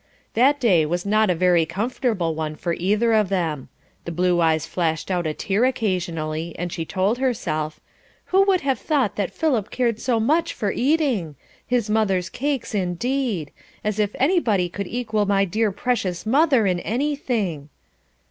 That day was not a very comfortable one for either of them. The blue eyes flashed out a tear occasionally, and she told herself, "Who would have thought that Philip cared so much for eating! His mother's cakes indeed! As if anybody could equal my dear precious mother in anything!"